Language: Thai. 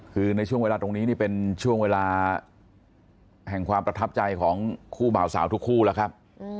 คือในช่วงเวลาตรงนี้นี่เป็นช่วงเวลาแห่งความประทับใจของคู่บ่าวสาวทุกคู่แล้วครับ